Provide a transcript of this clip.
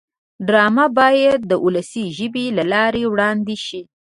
ډرامه باید د ولسي ژبې له لارې وړاندې شي